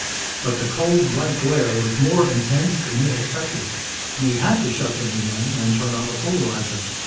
But the cold, white glare was more intense than he had expected, and he had to shut them again and turn on the polarizer.